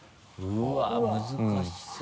うわっ難しそう。